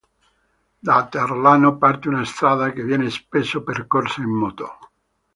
Da Terlano parte una strada che viene spesso percorsa in moto.